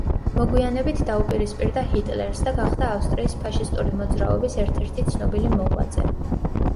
მოგვიანებით დაუპირისპირდა ჰიტლერს და გახდა ავსტრიის ფაშისტური მოძრაობის ერთ–ერთი ცნობილი მოღვაწე.